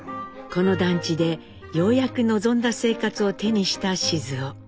この団地でようやく望んだ生活を手にした雄。